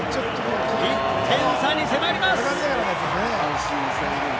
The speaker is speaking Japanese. １点差に迫ります。